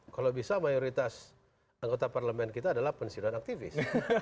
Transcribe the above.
kalau bisa mayoritas anggota parlemen kita adalah pensiunan aktivis